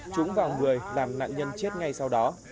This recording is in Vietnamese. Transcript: trúng vào người làm nạn nhân chết ngay sau đó